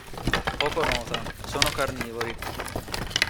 Poco nota, sono carnivori.